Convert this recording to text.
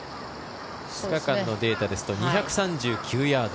２日間のデータですと２３９ヤード。